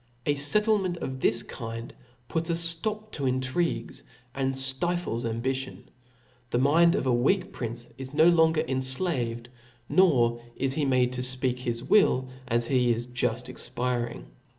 A fettlement of this kind puts a ftop to intrigues, and ftifles ambition ; the mind of a weak prince is no longer enflaved, nor is he made to fpeak his will as he is juft expiring.